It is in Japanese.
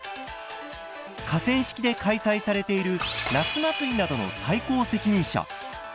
河川敷で開催されている夏祭りなどの最高責任者。